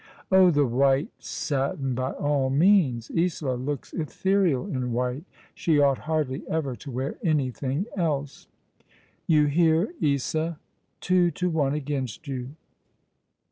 " Oh, the white satin, by all means. Isola looks ethereal in white. She ought hardly ever to wear anything else." " You hear, Isa. Two to one against you."